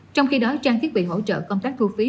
trong khi đó trang thiết bị hỗ trợ công tác thu phí